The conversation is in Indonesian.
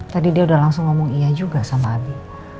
tadi dia udah langsung ngomong iya juga sama adi